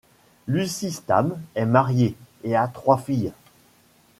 Luzi Stamm est marié, et a trois filles.